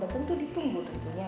dan tentu ditunggu tentunya